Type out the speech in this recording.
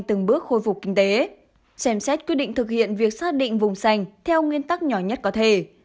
từng bước khôi phục kinh tế xem xét quyết định thực hiện việc xác định vùng sành theo nguyên tắc nhỏ nhất có thể